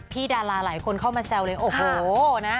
ดาราหลายคนเข้ามาแซวเลยโอ้โหนะ